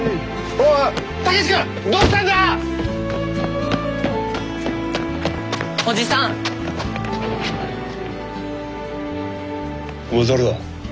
お前誰だ？